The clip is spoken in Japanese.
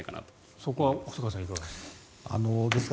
そこは細川さん、いかがですか。